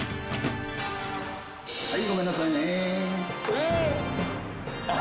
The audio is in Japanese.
はいごめんなさいねえっ？